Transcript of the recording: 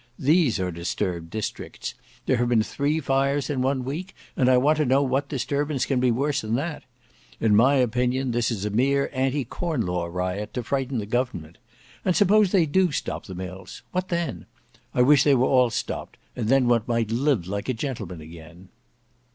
"These are disturbed districts. There have been three fires in one week, and I want to know what disturbance can be worse than that? In my opinion this is a mere anti corn law riot to frighten the government; and suppose they do stop the mills—what then? I wish they were all stopped, and then one might live like a gentleman again?"